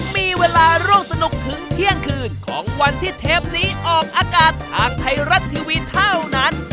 มีเวลาร่วมสนุกถึงเที่ยงคืนของวันที่เทปนี้ออกอากาศทางไทยรัฐทีวีเท่านั้น